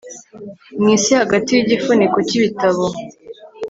mwisi hagati yigifuniko cyibitabo